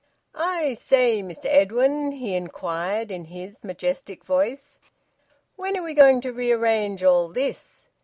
"I say, Mr Edwin," he inquired in his majestic voice. "When are we going to rearrange all this?"